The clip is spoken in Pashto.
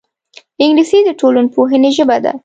انګلیسي د ټولنپوهنې ژبه ده